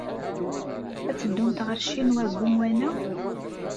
Ad teddumt ɣer Ccinwa deg wemwan-a?